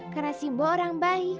karena si mbok orang baik